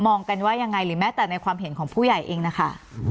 กันว่ายังไงหรือแม้แต่ในความเห็นของผู้ใหญ่เองนะคะ